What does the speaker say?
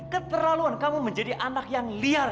keterlaluan kamu menjadi anak yang liar